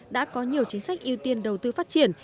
đã có nhiều chính sách ưu tiên đầu tư phát triển